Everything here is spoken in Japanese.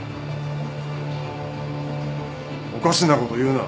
おかしなこと言うな。